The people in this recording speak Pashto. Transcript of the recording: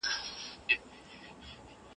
چيري د نېکمرغۍ او زیار ترمنځ روښانه توپیر ښکاري؟